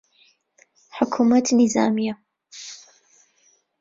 حکوومەت نیزامییە